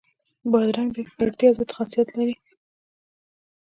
بادرنګ د ککړتیا ضد خاصیت لري.